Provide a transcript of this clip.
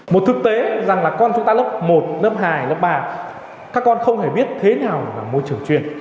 một thực tế rằng là con chúng ta lớp một lớp hai lớp ba các con không hề biết thế nào là môi trường chuyên